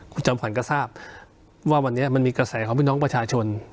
คุณจอมขวัญก็ทราบว่าวันนี้มันมีกระแสของพี่น้องประชาชน